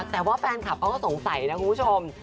แต่ว่าแฟนคลับเขาก็สงสัยนะคุณผู้ชม